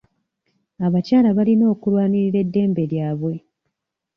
Abakyala balina okulwanirira eddembe lyabwe.